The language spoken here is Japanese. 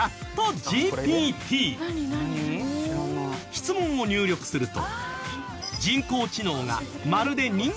質問を入力すると。